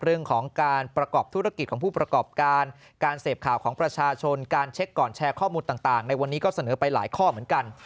เรื่องของการประกอบธุรกิจของผู้ประกอบการการเสพข่าวของประชาชนการเช็คก่อนแชร์ข้อมูลต่างในวันนี้ก็เสนอไปหลายข้อเหมือนกัน